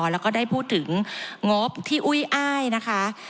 แล้วก็ได้พูดถึงงบที่อุ้ยอ้ายนะคะ